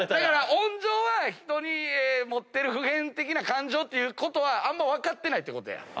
恩情は人の持ってる普遍的な感情っていうことはあんま分かってないってことや。